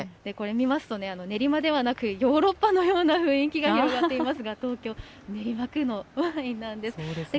これ見ますとね、練馬ではなく、ヨーロッパのような雰囲気が広がっていますが、東京・練馬区のワインなんです。